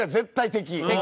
敵？